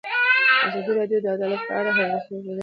ازادي راډیو د عدالت په اړه د هر اړخیز پوښښ ژمنه کړې.